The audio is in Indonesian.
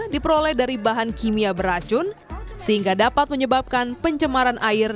diperoleh dari bahan kimia beracun sehingga dapat menyebabkan pencemaran air